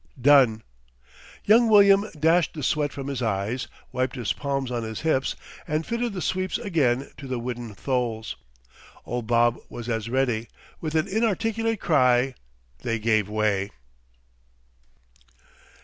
"Done!" Young William dashed the sweat from his eyes, wiped his palms on his hips, and fitted the sweeps again to the wooden tholes. Old Bob was as ready. With an inarticulate cry they gave way.